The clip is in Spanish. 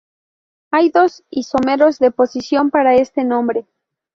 Hay dos isómeros de posición para este nombre.